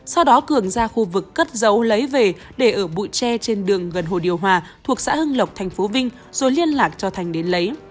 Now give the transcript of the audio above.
sau đó cường ra khu vực cất giấu lấy về để ở bụi tre trên đường gần hồ điều hòa thuộc xã hưng lộc tp vinh rồi liên lạc cho thành đến lấy